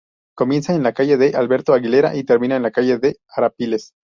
Comienza en la calle de Alberto Aguilera y termina en la calle de Arapiles.